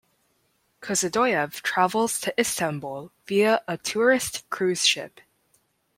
Kozodoyev travels to Istanbul via a tourist cruise ship.